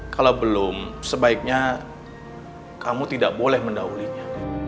kalau belum sebaiknya kamu tidak boleh mendahuluinya